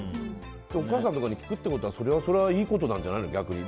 お母さんとかに聞くってことはそれはそれでいいことなんじゃないの。